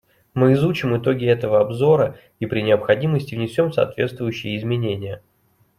Мы изучим итоги этого обзора и при необходимости внесем соответствующие изменения.